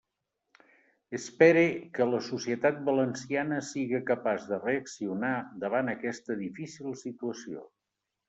Espere que la societat valenciana siga capaç de reaccionar davant aquesta difícil situació.